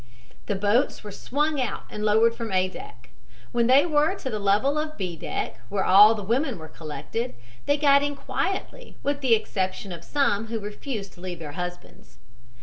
"The boats were swung out and lowered from A deck. When they were to the level of B deck, where all the women were collected, they got in quietly, with the exception of some who refused to leave their husbands.